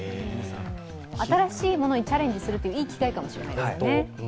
新しいものにチャレンジするいい機会かもしれませんね。